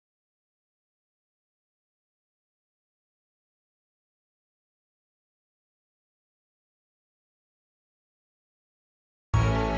sebelum ustamu usah meledup palanya nih